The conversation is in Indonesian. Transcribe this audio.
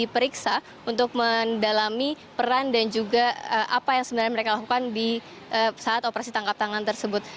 diperiksa untuk mendalami peran dan juga apa yang sebenarnya mereka lakukan di saat operasi tangkap tangan tersebut